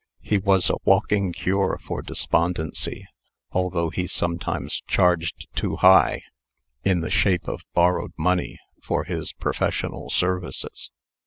He was a walking cure for despondency, although he sometimes charged too high, in the shape of borrowed money, for his professional services.